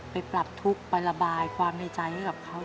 ไปปรับทุกข์ไประบายความในใจให้กับเขา